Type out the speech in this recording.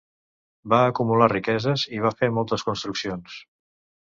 Va acumular riqueses i va fer moltes construccions.